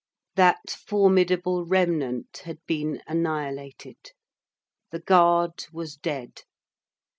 That formidable remnant had been annihilated; the Guard was dead.